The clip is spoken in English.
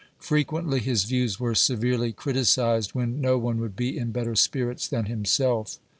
Frequently his views were severely criticised, when no one would be in better spirits than himself.